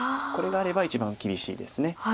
これがあれば一番厳しいです。